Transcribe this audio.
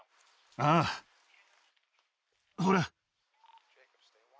ああほら。